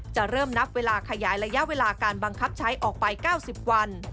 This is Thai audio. จะเริ่มนับเวลาขยายระยะเวลาการบังคับใช้ออกไป๙๐วัน